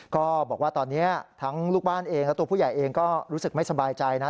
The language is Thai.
ก็บอกว่าตอนนี้ทั้งลูกบ้านเองและตัวผู้ใหญ่เองก็รู้สึกไม่สบายใจนะ